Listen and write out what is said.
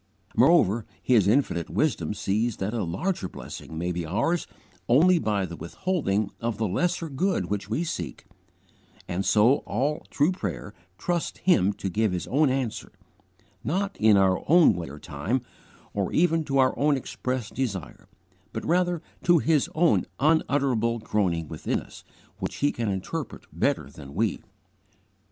Moreover, His infinite wisdom sees that a larger blessing may be ours only by the withholding of the lesser good which we seek; and so all true prayer trusts Him to give His own answer, not in our way or time, or even to our own expressed desire, but rather to His own unutterable groaning within us which He can interpret better than we.